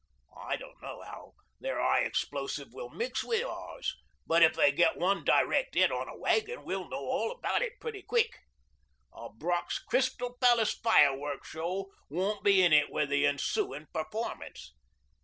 I dunno how their high explosive will mix wi' ours, but if they get one direct hit on a wagon we'll know all about it pretty quick. A Brock's Crystal Palace firework show won't be in it wi' the ensooin' performance.